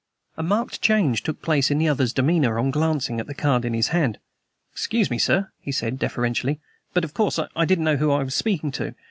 A marked change took place in the other's demeanor on glancing at the card in his hand. "Excuse me, sir," he said deferentially, "but, of course, I didn't know who I was speaking to.